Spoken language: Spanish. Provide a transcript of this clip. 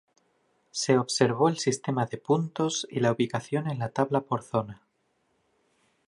Se observó el sistema de puntos y la ubicación en la tabla por zona.